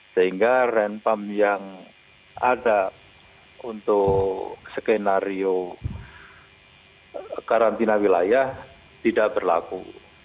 sehingga rempam yang ada untuk skenario karantina wilayah tidak berlaku